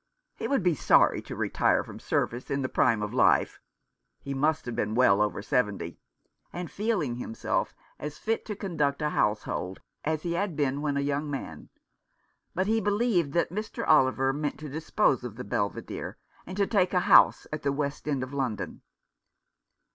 He would be sorry to retire from service in the prime of life — he must have been well over seventy — and feeling himself as fit to conduct a household as he had been when a young man; but he believed that Mr. Oliver meant to dispose of the Belvidere and to take a house at the West End of London.